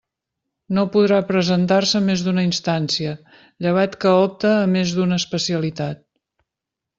No podrà presentar-se més d'una instància, llevat que opte a més d'una especialitat.